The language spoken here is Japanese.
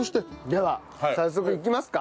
では早速行きますか。